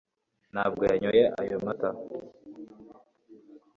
ntabwo yanyoye ayo mata